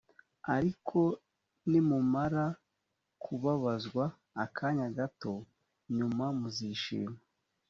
ariko nimumara kubabazwa akanya gato nyuma muzishima